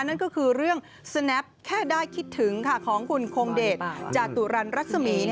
นั่นก็คือเรื่องสแนปแค่ได้คิดถึงของคุณคงเดชจาตุรันรัศมี